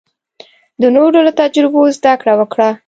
د نورو له تجربو زده کړه وکړه.